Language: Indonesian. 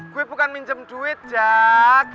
gue bukan minjem duit jak